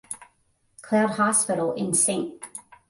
Cloud Hospital in St.